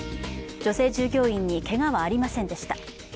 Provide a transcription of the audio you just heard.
女性従業員にけがはありませんでした。